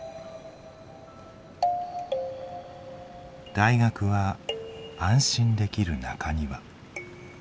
大学は安心できる中庭。